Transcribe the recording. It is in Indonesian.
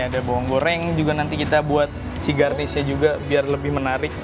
ada bawang goreng juga nanti kita buat si garnisnya juga biar lebih menarik